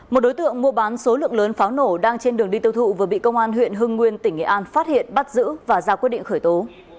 một đối tượng mua bán số lượng lớn pháo nổ đang trên đường đi tiêu thụ vừa bị công an huyện hưng nguyên tỉnh nghệ an phát hiện bắt giữ và ra quyết định khởi tố